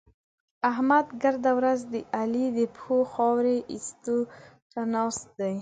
احمد ګرده ورځ د علي د پښو خاورې اېستو ته ناست دی.